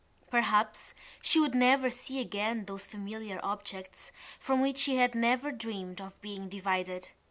Perhaps she would never see again those familiar objects from which she had never dreamed of being divided.